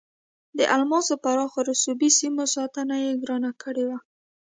د الماسو پراخو رسوبي سیمو ساتنه یې ګرانه کړې وه.